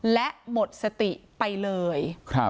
และหมดสติไปเลย